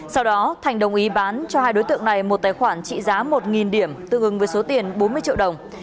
sau đó thành đồng ý bán cho hai đối tượng này một tài khoản trị giá một điểm tương ứng với số tiền bốn mươi triệu đồng